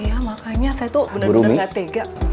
ya makanya saya tuh benar benar gak tega